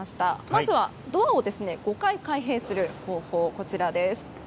まずはドアを５回開閉する方法。